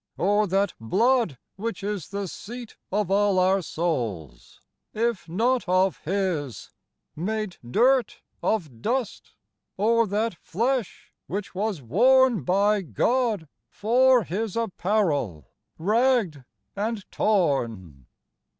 or that blood which isThe seat of all our Soules, if not of his, Made durt of dust, or that flesh which was worneBy God, for his apparell, rag'd, and torne?